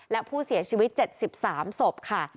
และผู้เสียชีวิต๗๓ศพค่ะ